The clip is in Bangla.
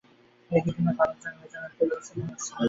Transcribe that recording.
এ দুদিনে পালাজ্জো মেজানত্তে হবে ফ্যাশন ও নকশার কেন্দ্র।